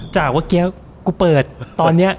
จากว่าแก๊วกูเปิดตอนเนี้ย